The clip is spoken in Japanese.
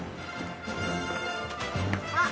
あっ。